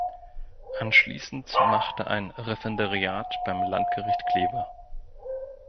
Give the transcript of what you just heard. Anschließend machte ein Referendariat beim Landgericht Kleve.